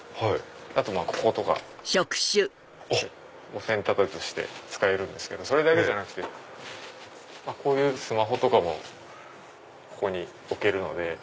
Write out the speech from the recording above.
あとこことかもペン立てとして使えるんですけどそれだけじゃなくてスマホとかもここに置けるので。